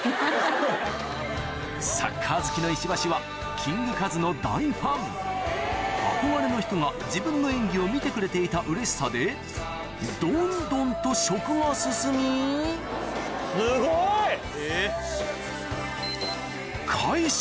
サッカー好きの石橋はキングカズの大ファン憧れの人が自分の演技を見てくれていたうれしさでどんどんと食が進みすごい！